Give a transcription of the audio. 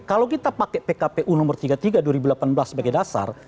kalau kita pakai pkpu nomor tiga puluh tiga dua ribu delapan belas sebagai dasar